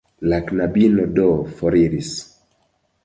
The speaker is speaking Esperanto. La knabino do foriris.